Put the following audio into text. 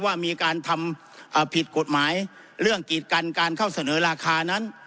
ว่ามีการทำผิดกฎหมายเรื่องกีดกันการเข้าเสนอราคานั้น